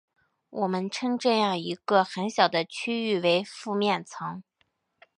我们称这样一个很小的区域为附面层。